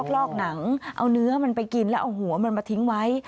ลอกหนังเอาเนื้อมันไปกินแล้วเอาหัวมันมาทิ้งไว้